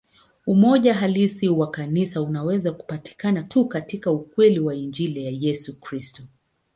Umoja halisi wa Kanisa unaweza kupatikana tu katika ukweli wa Injili ya Yesu Kristo.